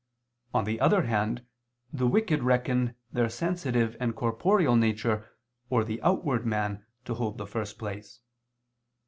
On the other hand, the wicked reckon their sensitive and corporeal nature, or the outward man, to hold the first place.